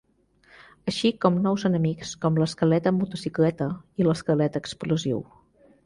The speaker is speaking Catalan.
Així com nous enemics com l'esquelet en motocicleta i l'esquelet explosiu.